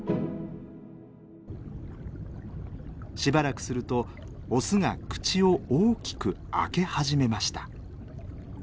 しばらくするとオスが口を大きく開け始めました。